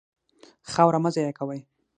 خاوره مه ضایع کوئ.